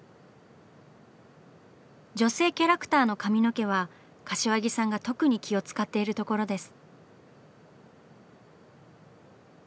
女性キャラクターの髪の毛は柏木さんが特に気を遣っているところです。